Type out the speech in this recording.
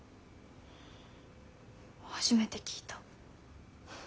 初めて聞いた。